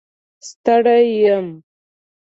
ستړی یم